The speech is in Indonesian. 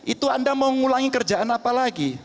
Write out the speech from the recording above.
itu anda mau ngulangi kerjaan apa lagi